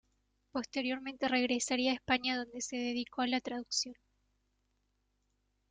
Posteriormente regresaría a España, donde se dedicó a la traducción.